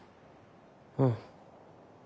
うん。